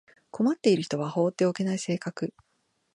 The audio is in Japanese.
困っている人は放っておけない性格